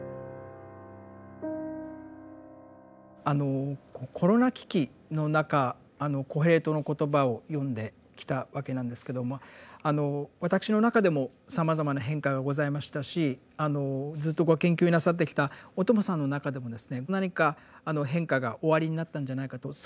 あのコロナ危機の中「コヘレトの言葉」を読んできたわけなんですけども私の中でもさまざまな変化がございましたしずっとご研究なさってきた小友さんの中でも何か変化がおありになったんじゃないかと。